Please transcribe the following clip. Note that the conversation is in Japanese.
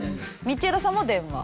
道枝さんも電話。